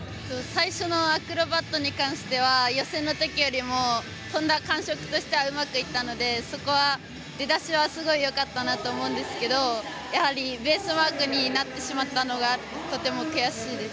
最初のアクロバットに関しては予選の時よりも跳んだ感触としてうまくいったのでそこは出だしはすごく良かったなと思うんですがやはり、ベースマークになってしまったのがとても悔しいです。